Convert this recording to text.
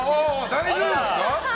大丈夫ですか？